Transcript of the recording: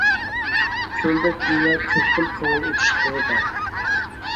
كۆلدە كېمە، كۆپ خىل كۆڭۈل ئېچىش تۈرى بار.